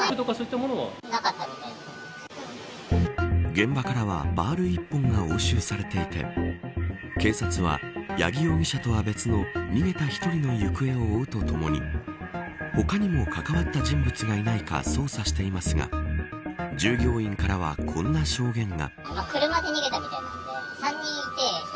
現場からはバール１本が押収されていて警察は八木容疑者とは別の逃げた１人の行方を追うとともに他にも関わった人物がいないか捜査していますが従業員からはこんな証言が。